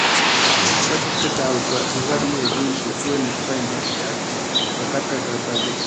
Erakusketa ugari egin zituen Espainian zehar, bakarka eta taldeka.